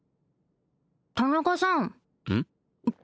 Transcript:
田中さんうん？